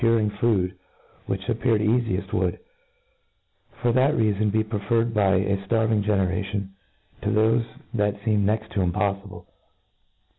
5I ring food which appeared caficft would, for that Tcafon, .be preferred, by a ftarving generation^ to thofe that feemed next to impoffible.